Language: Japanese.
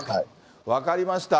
分かりました。